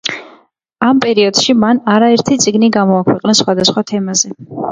ამ პეროდში მან არაერთი წიგნი გამოაქვეყნა სხვადასხვა თემაზე.